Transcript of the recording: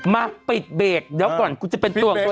มาปิดเบรกเดี๋ยวก่อนคุณจะเป็นตัวของตัวเองแล้ว